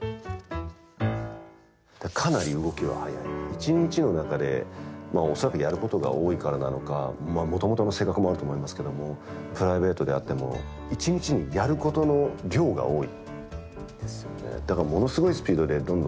一日の中で恐らくやることが多いからなのかもともとの性格もあると思いますけどもプライベートであってもそんなことはない。